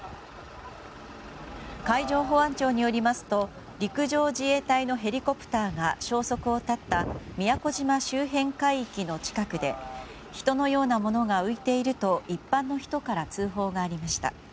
海上保安庁によりますと陸上自衛隊のヘリコプターが消息を絶った宮古島周辺海域の近くで人のようなものが浮いていると一般の人から通報がありました。